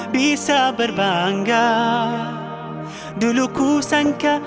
bisa berbangga dulu ku sangka